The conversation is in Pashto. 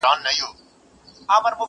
ورور له کلي لرې کيږي ډېر.